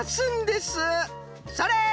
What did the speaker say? それ！